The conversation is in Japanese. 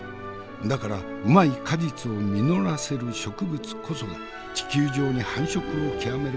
だからうまい果実を実らせる植物こそが地球上に繁殖を極めることとなる。